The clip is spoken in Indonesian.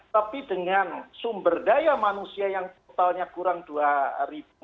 tapi dengan sumber daya manusia yang totalnya kurang dua ribu